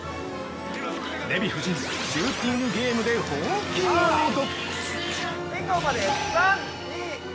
デヴィ夫人、シューティングゲームで本気モード！